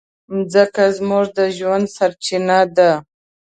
مځکه زموږ د ژوند سرچینه ده.